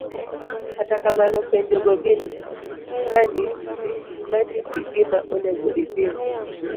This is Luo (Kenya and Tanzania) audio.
kata kamano, penjo go gin mang'isi gima onego itim.